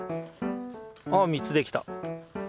あ３つできた。